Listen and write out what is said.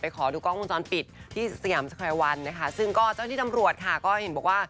เดี๋ยวจะป้องกันตัวมีแขนมาบังแล้วมือช้ำหนีดหน่อย